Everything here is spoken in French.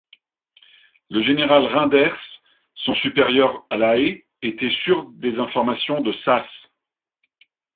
Le général Reynders, son supérieur à La Haye, était sûr des informations de Sas.